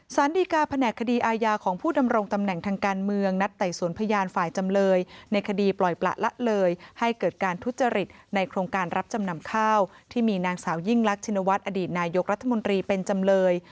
สารดีการแผนกคดีอาญาของผู้ดำรงตำแหน่งทางการเมืองนัดไต่สวนพยานฝ่ายจำเลยในคดีปล่อยประละเลยให้เกิดการทุจริตในโครงการรับจำนำข้าวที่มีนางสาวยิ่งรักชินวัฒน์อดีตนายกรัฐมนตรีเป็นจำเลย